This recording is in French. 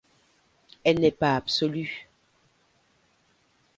Elle n’est pas absolue.